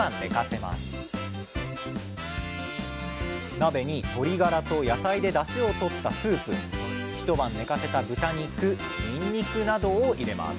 鍋に鶏ガラと野菜でだしを取ったスープ一晩寝かせた豚肉ニンニクなどを入れます